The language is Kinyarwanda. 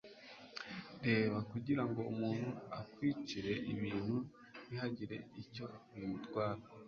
Reba kugirango umuntu akwicire ibintu ntihagire icyo bimutwara